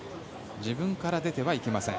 自分から出てはいけません。